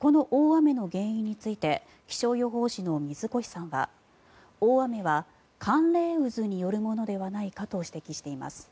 この大雨の原因について気象予報士の水越さんは大雨は寒冷渦によるものではないかと指摘しています。